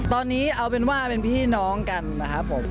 ตอนนี้เอาเป็นว่าเป็นพี่น้องกันนะครับผม